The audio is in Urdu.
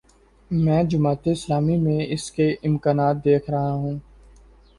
میں جماعت اسلامی میں اس کے امکانات دیکھ رہا ہوں۔